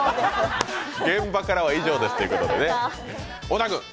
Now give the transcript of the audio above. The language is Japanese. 現場からは以上ですっていうことでね。